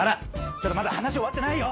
ちょっとまだ話終わってないよ！